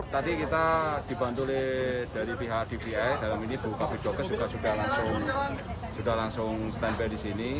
tadi kita dibantul dari pihak dpi dalam ini bukapu jokers juga langsung stand by di sini